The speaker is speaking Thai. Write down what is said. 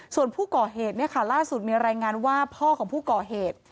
ส่วนผู้ก่อเหตุล่าสุดมีรายงานว่าพ่อของผู้ก่อเหตุ